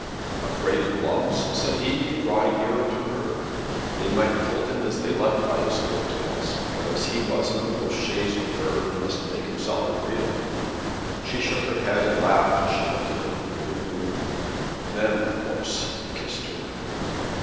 "Afraid of gloves?" said he, drawing nearer to her. They might pull him as they liked by his coat tails but as he was in a postchaise with her he must make himself agreeable. She shook her head and laughed as she looked at him through the gloom. Then of course he kissed her.